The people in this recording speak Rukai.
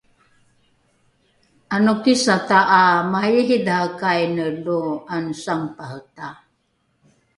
’anokisata ’a mariiridharekaine lo ’anosangepareta?